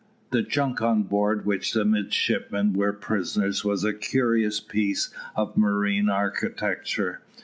The junk on board which the midshipmen were prisoners was a curious piece of marine architecture.